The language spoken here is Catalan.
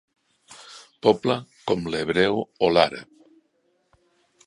Poble com l'hebreu o l'àrab.